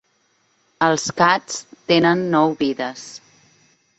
Els cats tenen nou vides.